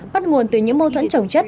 bắt nguồn từ những mâu thuẫn chống chất